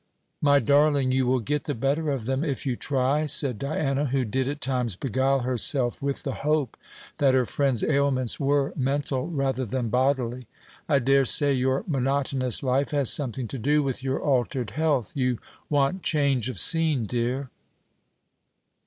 "My darling, you will get the better of them if you try," said Diana, who did at times beguile herself with the hope that her friend's ailments were mental rather than bodily. "I dare say your monotonous life has something to do with your altered health; you want change of scene, dear."